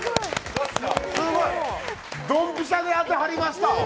ドンピシャで当てはりました。